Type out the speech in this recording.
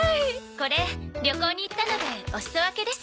これ旅行に行ったのでお裾分けです。